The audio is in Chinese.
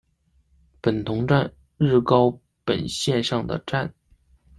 本桐站日高本线上的站。